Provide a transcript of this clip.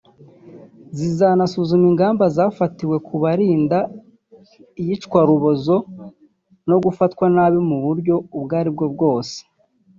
zizanasuzuma ingamba zafatiwe kubarinda iyicwarubozo no gufatwa nabi mu buryo ubwo ari bwo bwose